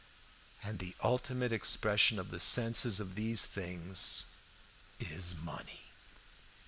"And the ultimate expression of the senses of these things is money.